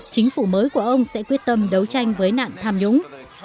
chính phủ mới của ông sẽ quyết tâm đấu tranh với nạn tham nhũng